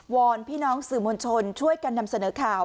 อนพี่น้องสื่อมวลชนช่วยกันนำเสนอข่าว